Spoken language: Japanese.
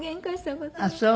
あっそう。